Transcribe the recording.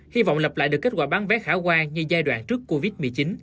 hy vọng lập lại được kết quả bán vé khả quan như giai đoạn trước covid một mươi chín